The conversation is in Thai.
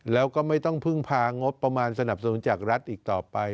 แล้วก็ไม่ต้องพึ่งพางบประมาณสนับสนุนจากรัฐอีกต่อไป